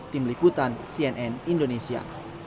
tim liputan cnn indonesia